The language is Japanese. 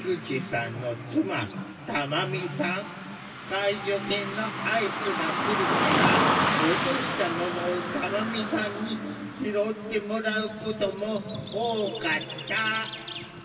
介助犬のアイスが来る前は落としたものを珠美さんに拾ってもらうことも多かった。